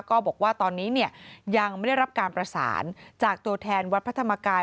ก็บอกว่าตอนนี้ยังไม่ได้รับการประสานจากตัวแทนวัดพระธรรมกาย